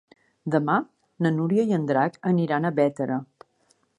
Demà na Núria i en Drac aniran a Bétera.